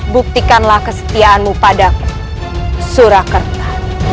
buktikanlah kesetiaanmu padaku surakarta